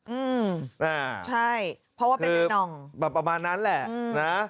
อืมอ่าใช่เพราะว่าเป็นในน่องแบบประมาณนั้นแหละนะ